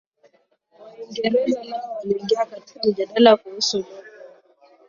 Waingereza nao waliingia katiika mjadala kuhusu lugha